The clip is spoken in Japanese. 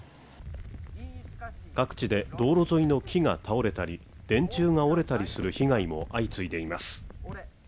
各地で道路沿いの木が倒れたり電柱が折れたりする被害も相次いでいます。